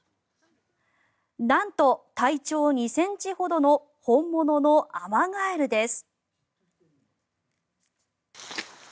なんと、体長２ｃｍほどの本物のアマガエルです。